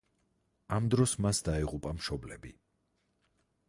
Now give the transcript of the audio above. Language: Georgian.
ამ დროს მას დაეღუპა მშობლები.